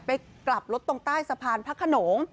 ไปกลับรถตรงใต้สะพานพระขนง